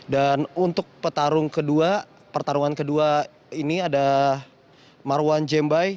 dan untuk petarung kedua pertarungan kedua ini ada marwan jembai